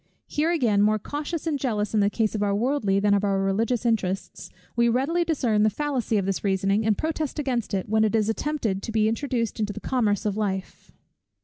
Here again, more cautious and jealous in the case of our worldly, than of our religious interests, we readily discern the fallacy of this reasoning and protest against it, when it is attempted to be introduced into the commerce of life.